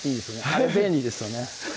あれ便利ですよね